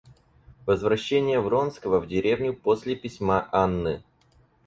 Возвращение Вронского в деревню после письма Анны.